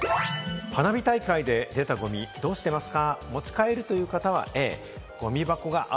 花火大会で出たゴミ、どうしてますか？